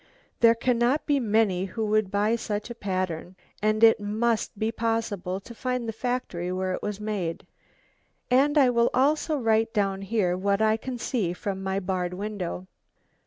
There cannot be many who would buy such a pattern, and it must be possible to find the factory where it was made. And I will also write down here what I can see from my barred window.